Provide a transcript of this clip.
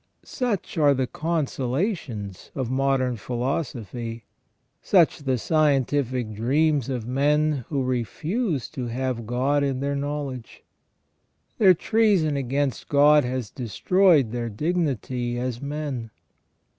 Such are the consolations of modern philosophy; such the scientific dreams of "men who refuse to have God in their know ledge. Their treason against God has destroyed their dignity as men.